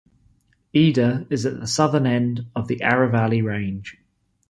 Idar is at the southern end of the Aravalli Range.